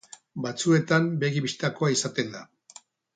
Batzuetan begi bistakoa izaten da.